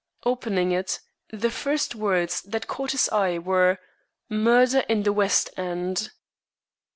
Opening it, the first words that caught his eye were, "Murder in the West End."